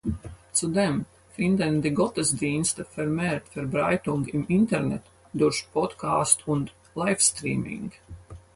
Zudem finden die Gottesdienste vermehrt Verbreitung im Internet durch Podcast und Livestreaming.